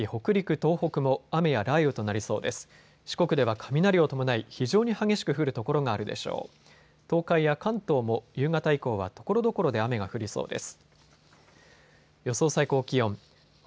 東海や関東も夕方以降はところどころで雨が降りそうです。